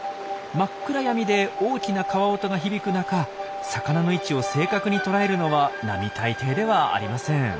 真っ暗闇で大きな川音が響く中魚の位置を正確に捉えるのは並大抵ではありません。